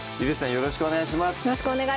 よろしくお願いします